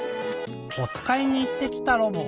おつかいにいってきたロボ。